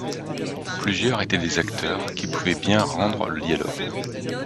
Plusieurs étaient des acteurs qui pouvaient bien rendre le dialogue.